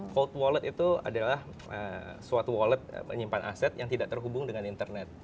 cold wallet itu adalah suatu wallet menyimpan aset yang tidak terhubung dengan internet